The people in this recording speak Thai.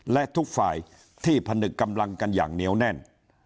และทุกฝ่ายที่ผนึกกำลังกันอย่างเหนียวแน่น